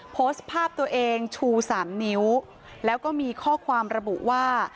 โพสต์ภาพตัวเองชูสามนิ้วแล้วก็มีข้อความระบุว่า